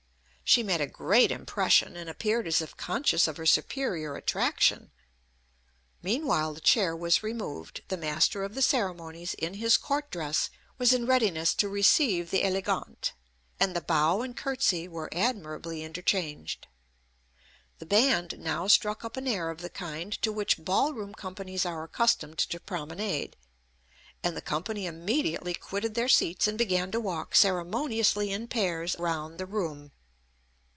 She made a great impression, and appeared as if conscious of her superior attraction; meanwhile the chair was removed, the master of the ceremonies, in his court dress, was in readiness to receive the élégante, and the bow and curtsey were admirably interchanged. The band now struck up an air of the kind to which ball room companies are accustomed to promenade, and the company immediately quitted their seats and began to walk ceremoniously in pairs round the room.